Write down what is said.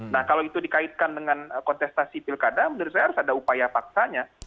nah kalau itu dikaitkan dengan kontestasi pilkada menurut saya harus ada upaya paksanya